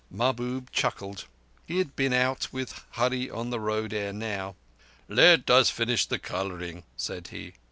Mahbub chuckled. He had been out with Hurree on the Road ere now. "Let us finish the colouring," said he.